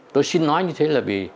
tôi xin nói như thế là vì